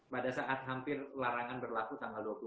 pada saat hampir larangan berlaku tanggal dua puluh satu